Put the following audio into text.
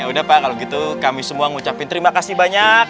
ya udah pak kalau gitu kami semua mengucapkan terima kasih banyak